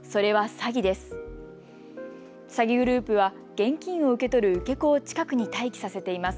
詐欺グループは現金を受け取る受け子を近くに待機させています。